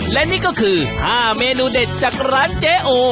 และนี่ก็คือ๕เมนูเด็ดจากร้านเจ๊โอ